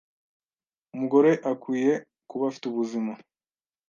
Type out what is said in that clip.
Umugore akwiye kuba afite ubuzima